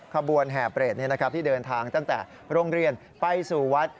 กระบวนแห่เปรตนี่นะครับที่เดินทางตั้งแต่โรงเรียนไปสู่วัด